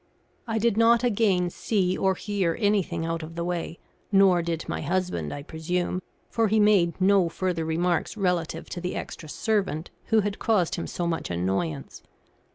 I did not again see or hear anything out of the way; nor did my husband, I presume, for he made no further remarks relative to the extra servant who had caused him so much annoyance.